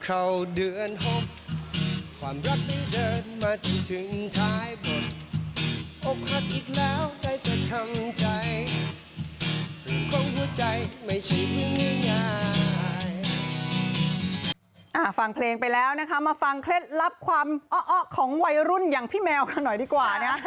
ฟังเพลงไปแล้วนะคะมาฟังเคล็ดลับความอ้อของวัยรุ่นอย่างพี่แมวกันหน่อยดีกว่านะ